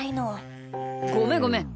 ごめんごめん。